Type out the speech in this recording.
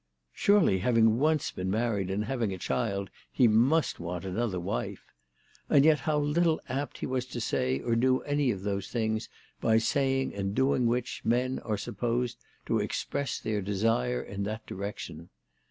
Surely having once been married and having a child he must want another wife ! And yet how little apt he was to say or do any of those things by saying and doing which men are supposed to express their desire in that direction